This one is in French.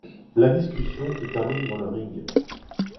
La discussion se termine dans le ring.